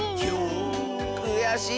くやしい！